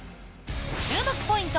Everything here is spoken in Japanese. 注目ポイント